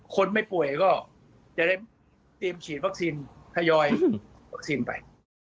คนไม่ป่วยก็จะได้ติดชีวัคซีนถยอยวัคซีนไป